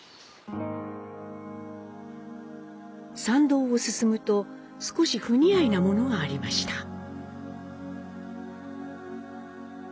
参道を進むと、少し不似合いなものがありました。